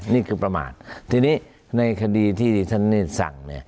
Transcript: นี่คือประมาททีนี้ในคดีที่ท่านเนธสั่งเนี่ย